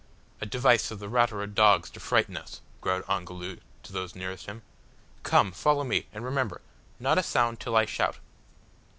"A device of the Ratura dogs to frighten us," growled Ongoloo to those nearest him. "Come, follow me, and remember, not a sound till I shout."